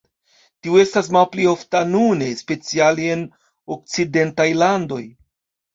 Tio estas malpli ofta nune, speciale en okcidentaj landoj.